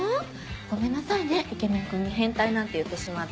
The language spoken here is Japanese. ごめんなさいねイケメン君に変態なんて言ってしまって。